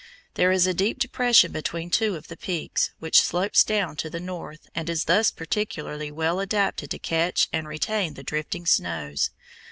There is a deep depression between two of the peaks, which slopes down to the north and is thus particularly well adapted to catch and retain the drifting snows.